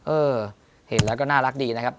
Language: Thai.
เออเห็นแล้วก็น่ารักดีนะครับ